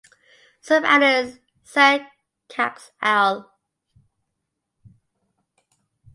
Some outlets sell cask ale.